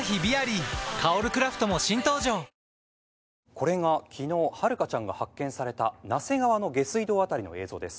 「これが昨日遥香ちゃんが発見された那瀬川の下水道辺りの映像です」